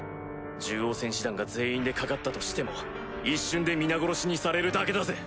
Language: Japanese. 獣王戦士団が全員でかかったとしても一瞬で皆殺しにされるだけだぜ。